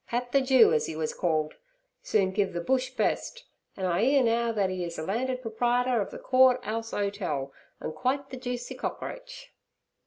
Pat the Jew, as 'e was called, soon giv' ther bush best, an' I 'ear now that 'e is landed proprietor ov the Court 'Ouse Hotel, and quite the juicy cockroach.'